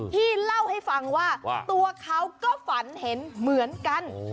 ที่เล่าให้ฟังว่าตัวเขาก็ฝันเห็นเหมือนกัน